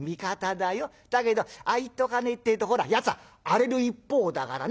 だけどああ言っておかねえってえとほらやつは荒れる一方だからね。